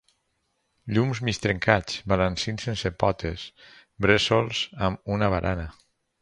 Llums mig trencats, balancins sense potes, bressols amb una barana.